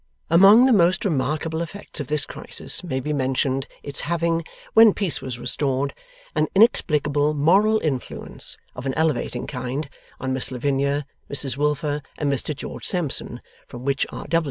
Among the most remarkable effects of this crisis may be mentioned its having, when peace was restored, an inexplicable moral influence, of an elevating kind, on Miss Lavinia, Mrs Wilfer, and Mr George Sampson, from which R.